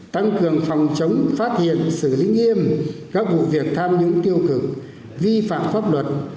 tăng cường phòng chống phát hiện xử lý nghiêm các vụ việc tham nhũng tiêu cực vi phạm pháp luật